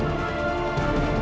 aku akan buktikan